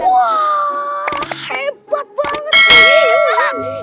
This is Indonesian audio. wah hebat banget